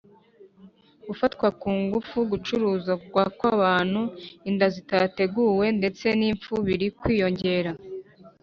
gufatwa ku ngufu, gucuruzwa kw’abantu, inda zititeguwe ndetse n’imfu biri kwiyongera